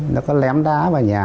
nó có lém đá vào nhà